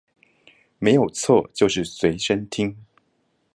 沒有錯就是隨身聽